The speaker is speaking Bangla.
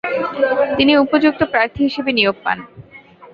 তিনি উপযুক্ত প্রার্থী হিসেবে নিয়োগ পান।